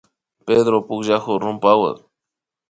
Pedro pukllakun rumpawan